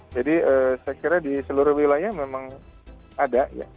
jadi saya kira di seluruh wilayah memang ada ya